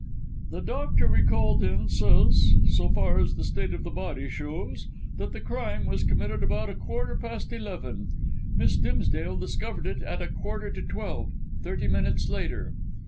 "The doctor we called in says so far as the state of the body shows that the crime was committed about a quarter past eleven. Miss Dimsdale discovered it at a quarter to twelve, thirty minutes later."